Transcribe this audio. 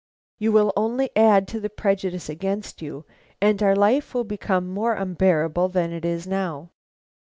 You will only add to the prejudice against you, and our life will become more unbearable than it is now.'"